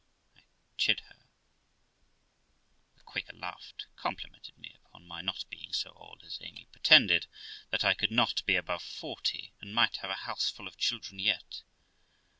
I chid her; the Quaker laughed, complimented me upon my not being so old as Amy pretended, that I could not be above forty, and might have a house full of children yet.